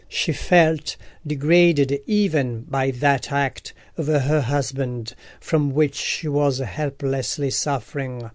She felt degraded even by that act of her husband from which she was helplessly suffering.